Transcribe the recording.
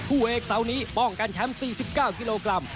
คู่เอกเสาร์นี้ป้องกันแชมป์๔๙กิโลกรัม